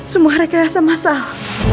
semua rekayasa masal